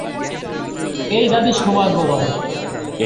এই দাদি সৌভাগ্যবান।